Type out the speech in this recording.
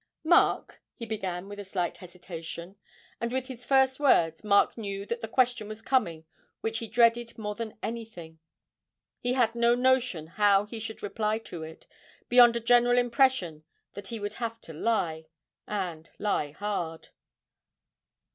'Mark,' he began with a slight hesitation, and with his first words Mark knew that the question was coming which he dreaded more than anything; he had no notion how he should reply to it, beyond a general impression that he would have to lie, and lie hard.